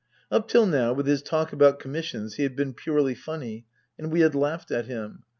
Up till now, with his talk about commissions, he had been purely funny, and we had laughed at him.